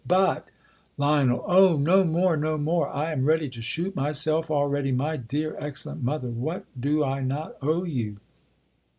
But Lion* O, no more ! no more ! I am yeady to shoot myself already! My dear, excellent mother, v/hat do I not owe you!